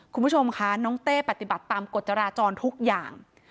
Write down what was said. คุณผู้ชมคะน้องเต้ปฏิบัติตามกฎจราจรทุกอย่าง